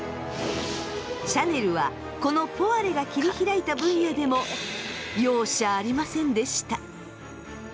シャネルはこのポワレが切り開いた分野でも容赦ありませんでした。